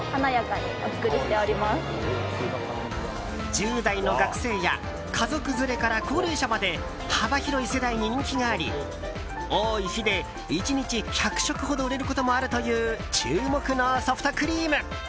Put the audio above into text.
１０代の学生や家族連れから高齢者まで幅広い世代に人気があり多い日で１日１００食ほど売れることもあるという注目のソフトクリーム。